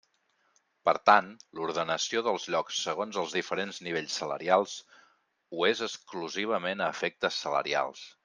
Per tant, l'ordenació dels llocs segons els diferents nivells salarials ho és exclusivament a efectes salarials.